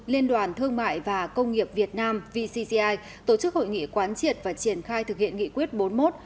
liên đoàn thương mại và công nghiệp việt nam vcci tổ chức hội nghị quán triệt và triển khai thực hiện nghị quyết bốn mươi một